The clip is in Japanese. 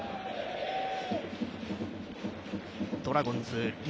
ドラゴンズ龍